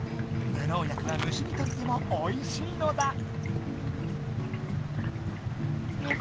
無農薬は虫にとってもおいしいのだ！